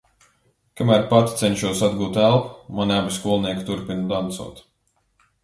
Kamēr pati cenšos atgūt elpu, mani abi skolnieki turpina dancot.